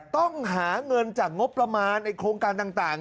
ต้องหาเงินจากงบประมาณโครงการต่าง